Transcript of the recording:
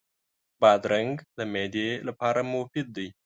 بادرنګ د معدې لپاره مفید دی.